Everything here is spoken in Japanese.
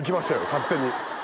勝手に。